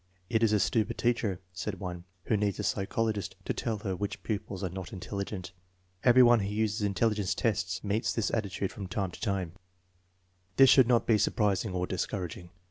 a It is a stupid teacher," said one, " who needs a psychologist to tell her which pupils are not intelligent/' Every one who uses in telligence tests meets this attitude from timo to time* This should not be surprising or discouraging.